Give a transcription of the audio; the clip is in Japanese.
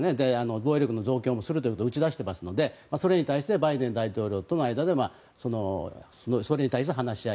防衛力の増強もすると打ち出していますのでそれに対してバイデン大統領との間で総理に対して話し合い。